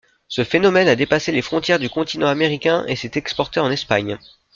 Ce phénomène a dépassé les frontières du continent américain et s'est exporté en Espagne.